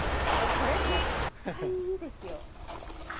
これ絶対いいですよ。